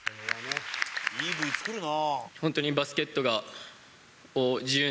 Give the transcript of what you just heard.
「いいＶ作るなあ」